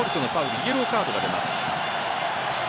イエローカードが出ます。